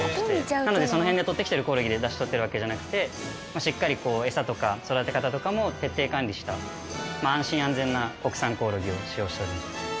なのでその辺で捕ってきてるコオロギで出汁とってるわけじゃなくてしっかり餌とか育て方とかも徹底管理した安心・安全な国産コオロギを使用しております。